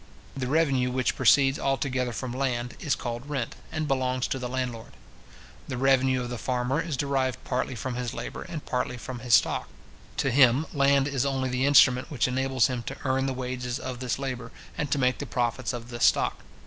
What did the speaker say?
The revenue which proceeds altogether from land, is called rent, and belongs to the landlord. The revenue of the farmer is derived partly from his labour, and partly from his stock. To him, land is only the instrument which enables him to earn the wages of this labour, and to make the profits of this stock.